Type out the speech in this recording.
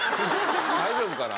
大丈夫かな？